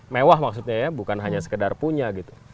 mewah maksudnya ya bukan hanya sekedar punya gitu